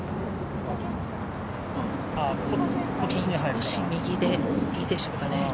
少し右でいいでしょうかね。